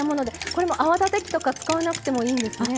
これも泡立て器とか使わなくてもいいんですね。